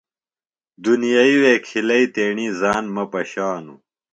دُنیئی وےکھلیئی تیݨی ژان مہ پشانوۡ۔